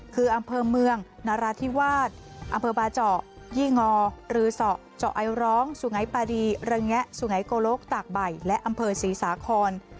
คืออำเภอเมืองนราธิวาสอำเภอบาเจาะยี่งอรือสอเจาะไอร้องสุงัยปาดีระแงะสุไงโกลกตากใบและอำเภอศรีสาคร